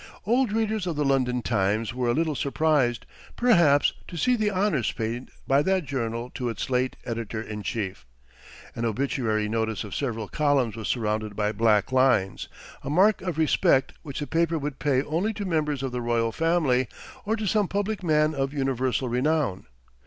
Old readers of the London "Times" were a little surprised, perhaps, to see the honors paid by that journal to its late editor in chief. An obituary notice of several columns was surrounded by black lines; a mark of respect which the paper would pay only to members of the royal family, or to some public man of universal renown.